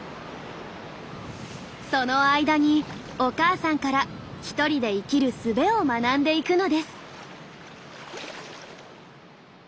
その間にお母さんから１人で生きるすべを学んでいくのです。